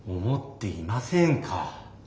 思っていませんか。